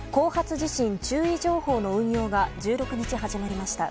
地震注意情報の運用が１６日始まりました。